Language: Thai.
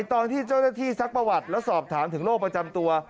ตอนที่เจ้าหน้าที่ซักประวัติแล้วสอบถามถึงโรคประจำตัว